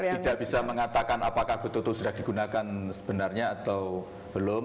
tidak bisa mengatakan apakah betul betul sudah digunakan sebenarnya atau belum